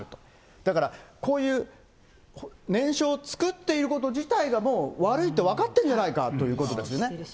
だから、こういう念書を作っていること自体が、もう悪いと分かってるんじゃないかということですよね。